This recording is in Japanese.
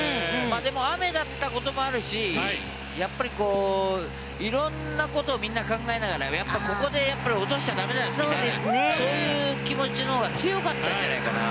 でも、雨だったこともあるしやっぱり、色んなことをみんな考えながらここで落としちゃ駄目だってそういう気持ちのほうが強かったんじゃないかな。